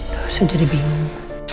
sudah jadi bingung